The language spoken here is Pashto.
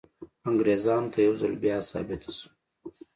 انګریزانو ته یو ځل بیا ثابته شوه.